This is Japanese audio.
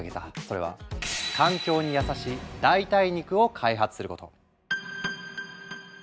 それは環境に優しい代替肉を開発すること。